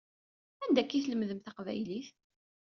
Anda akka i tlemdem taqbaylit?